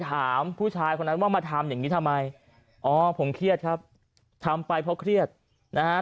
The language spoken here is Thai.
ถามผู้ชายคนนั้นว่ามาทำอย่างนี้ทำไมอ๋อผมเครียดครับทำไปเพราะเครียดนะฮะ